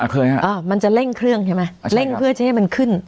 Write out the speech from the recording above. อ่าเคยอ่ามันจะเร่งเครื่องใช่ไหมอ่าใช่ครับเร่งเพื่อจะให้มันขึ้น